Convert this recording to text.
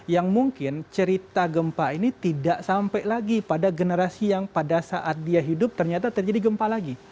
yang mungkin cerita gempa ini tidak sampai lagi pada generasi yang pada saat dia hidup ternyata terjadi gempa lagi